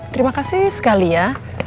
terima kasih sekali ya